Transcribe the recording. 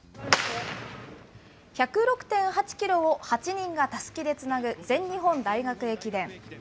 １０６．８キロを、８人がたすきでつなぐ全日本大学駅伝。